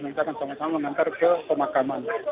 nanti akan sama sama mengantar ke pemakaman